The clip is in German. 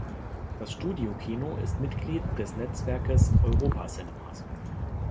Das Studio Kino ist Mitglied des Netzwerkes Europa Cinemas.